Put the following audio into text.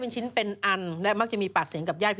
ซึ่งตอน๕โมง๔๕นะฮะทางหน่วยซิวได้มีการยุติการค้นหาที่